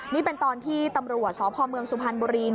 นี่เป็นตอนที่ตำรวจสพเมืองสุพรรณบุรี